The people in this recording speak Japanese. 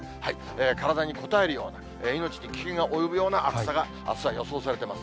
体にこたえるような、命に危険が及ぶような暑さが、あすは予想されています。